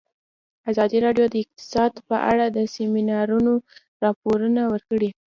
ازادي راډیو د اقتصاد په اړه د سیمینارونو راپورونه ورکړي.